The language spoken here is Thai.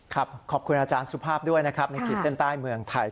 ขอบคุณอาจารย์สุภาพด้วยนะครับในขีดเส้นใต้เมืองไทย